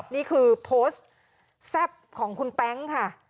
นี่คือโพสต์แซ่บของคุณแต๊งค่ะ